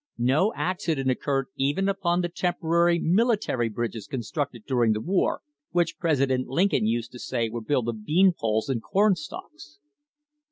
No accident occurred even upon the iporary military bridges constructed during the war, which President Lincoln used say were built of bean poles and corn stalks.